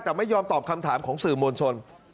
แต่ไม่ยอมตอบคำถามของสื่อมวลชน